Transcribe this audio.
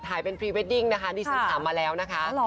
ถ่ายเป็นพรีเวดดิ้งนะคะดิฉันถามมาแล้วนะคะ